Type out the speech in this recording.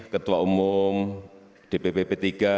ketua umum dpp p tiga